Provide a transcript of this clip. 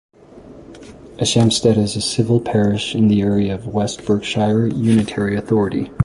Ashampstead is a civil parish in the area of West Berkshire unitary authority.